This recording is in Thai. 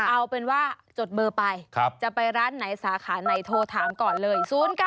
เอาเป็นว่าจดเบอร์ไปจะไปร้านไหนสาขาไหนโทรถามก่อนเลย